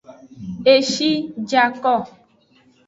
Eshi ja ko.